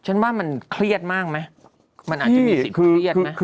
ฉันว่ามันเครียดมากมั้ยมันอาจจะมีสิ่งเครียดมั้ย